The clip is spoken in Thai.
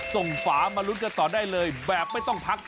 ฝามาลุ้นกันต่อได้เลยแบบไม่ต้องพัก